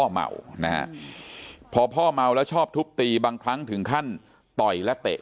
เมานะฮะพอพ่อเมาแล้วชอบทุบตีบางครั้งถึงขั้นต่อยและเตะ